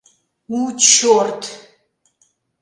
У, ч-чорт!